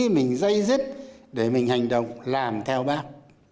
mình dây dứt để mình hành động làm theo bác